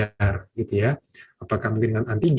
apakah mungkin dengan antigen apakah mungkin dengan virus